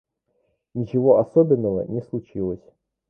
Ничего особенного не случилось.